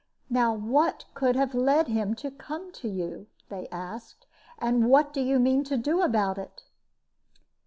"Now what can have led him so to come to you?" they asked; "and what do you mean to do about it?"